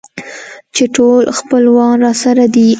چې ټول خپلوان راسره دي.